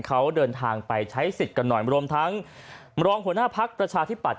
เขาเดินทางไปใช้สิทธิ์กันหน่อยรวมทั้งรองหัวหน้าพักประชาธิปัตย